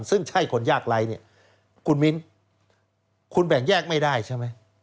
ซึ่งใช่คนยากไร้เนี่ยคุณมิ้นคุณแบ่งแยกไม่ได้ใช่ไหม